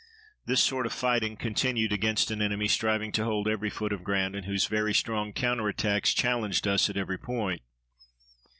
This sort of fighting continued against an enemy striving to hold every foot of ground and whose very strong counter attacks challenged us at every point.